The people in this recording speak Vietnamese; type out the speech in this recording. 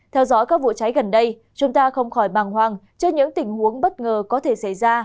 theo dõi các vụ cháy gần đây chúng ta không khỏi bằng hoang cho những tình huống bất ngờ có thể xảy ra